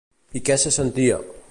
I què se sentia?